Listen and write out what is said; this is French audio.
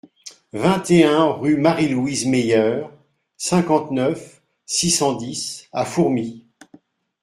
vingt et un rue Marie-Louise Meyer, cinquante-neuf, six cent dix à Fourmies